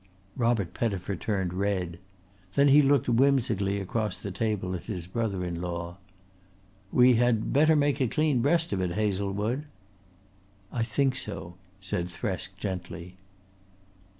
Robert Pettifer turned red. Then he looked whimsically across the table at his brother in law. "We had better make a clean breast of it, Hazlewood." "I think so," said Thresk gently.